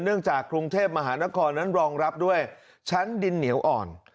จากกรุงเทพมหานครนั้นรองรับด้วยชั้นดินเหนียวอ่อน